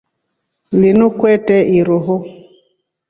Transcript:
Lunu kwete iruhuL.